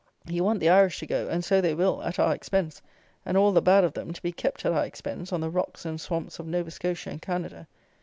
You want the Irish to go, and so they will at our expense, and all the bad of them, to be kept at our expense on the rocks and swamps of Nova Scotia and Canada.